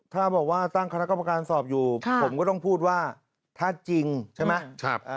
ถ้าบอกว่าตั้งคณะกรรมการสอบอยู่ผมก็ต้องพูดว่าถ้าจริงใช่ไหม